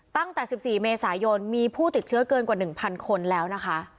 ตั้งแต่๑๔เมษายนมีผู้ติดเชื้อเกินกว่า๑๐๐คนแล้วนะคะ